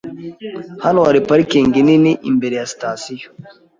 Hano hari parikingi nini imbere ya sitasiyo .